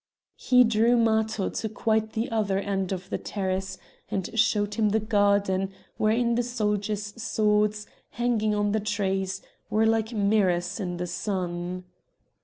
He drew Matho to quite the other end of the terrace, and showed him the garden, wherein the soldiers' swords, hanging on the trees, were like mirrors in the sun.